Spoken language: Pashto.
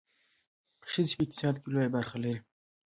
ښځې په اقتصاد کې لویه برخه لري.